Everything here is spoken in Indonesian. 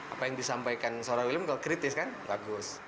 apa yang disampaikan seorang william kritis kan bagus